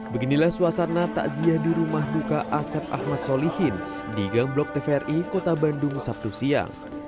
beginilah suasana takjiah di rumah duka asep ahmad solihin di gang blok tvri kota bandung sabtu siang